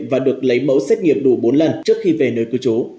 và được lấy mẫu xét nghiệm đủ bốn lần trước khi về nơi cư trú